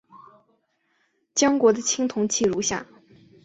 江国的青铜器如下。